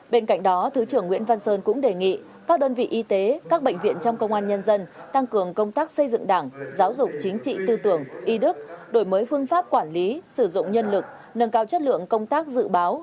bên cạnh đó thứ trưởng nguyễn văn sơn cũng đề nghị các đơn vị y tế các bệnh viện trong công an nhân dân tăng cường công tác xây dựng đảng giáo dục chính trị tư tưởng y đức đổi mới phương pháp quản lý sử dụng nhân lực nâng cao chất lượng công tác dự báo